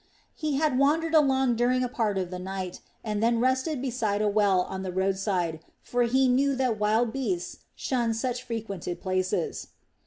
He had wandered along during a part of the night, and then rested beside a well on the roadside, for he knew that wild beasts shun such frequented places.